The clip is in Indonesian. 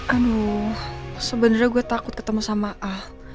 aduh sebenarnya gue takut ketemu sama a